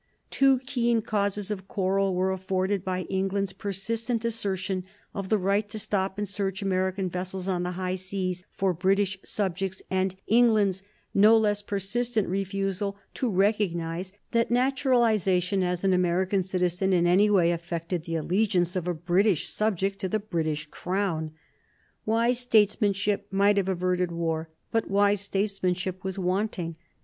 Two keen causes of quarrel were afforded by England's persistent assertion of the right to stop and search American vessels on the high seas for British subjects and England's no less persistent refusal to recognize that naturalization as an American citizen in any way affected the allegiance of a British subject to the British crown. Wise statesmanship might have averted war, but wise statesmanship was wanting.